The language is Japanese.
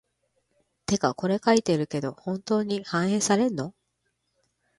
てかこれ書いてるけど、本当に反映されんの？